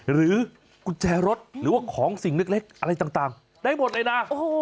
หรือกุญแจรถหรือว่าของสิ่งเล็กอะไรต่างได้หมดเลยนะ